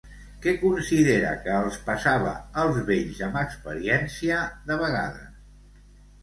Què considera que els passava als vells amb experiència, de vegades?